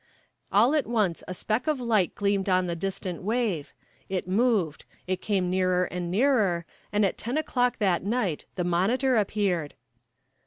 All at once a speck of light gleamed on the distant wave; it moved; it came nearer and nearer, and at ten o'clock that night the Monitor appeared.